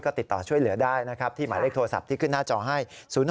ก็ติดต่อช่วยเหลือใดที่หมายเลขโทรศัพท์ที่ขึ้นหน้าจอให้๐๖๔๑๔๕๒๕๔๙